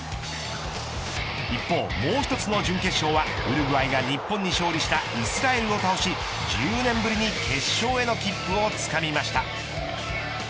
一方、もう１つの準決勝はウルグアイが日本に勝利したイスラエルを倒し１０年ぶりに決勝への切符をつかみました。